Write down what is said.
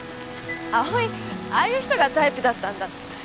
葵ああいう人がタイプだったんだ。